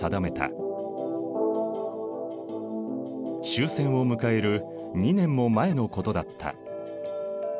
終戦を迎える２年も前のことだった。